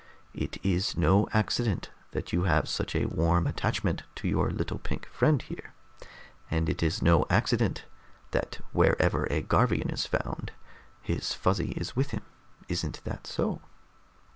It is no accident that you have such a warm attachment to your little pink friend here, and it is no accident that wherever a Garvian is found, his Fuzzy is with him, isn't that so?